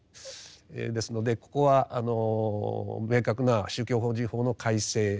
ですのでここは明確な宗教法人法の改正が必要であろう。